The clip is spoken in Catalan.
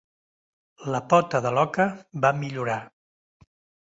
La pota de l'oca va millorar.